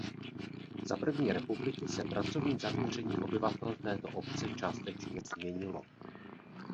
Za první republiky se pracovní zaměření obyvatel této obce částečně změnilo.